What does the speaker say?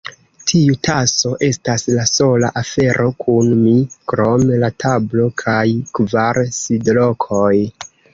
Tiu taso estas la sola afero kun mi, krom la tablo kaj kvar sidlokoj.